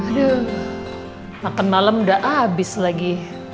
aduh makan malam udah habis lagi